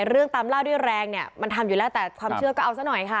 เรื่องตามเล่าด้วยแรงเนี่ยมันทำอยู่แล้วแต่ความเชื่อก็เอาซะหน่อยค่ะ